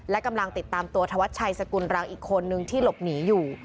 และกำลังติดตามตัวธวัชชัยสกุลรังอีกคนนึงที่หลบหนีอยู่